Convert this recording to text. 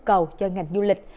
cầu cho ngành du lịch